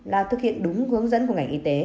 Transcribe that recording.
là thực hiện đúng hướng dẫn của ngành y tế